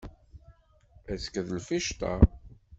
Azekka d lficṭa.